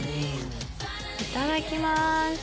いただきます！